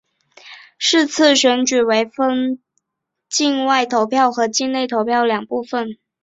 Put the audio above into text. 是次选举分为境外投票和境内投票两部分。